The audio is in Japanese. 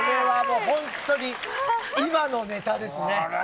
本当に今のネタですね。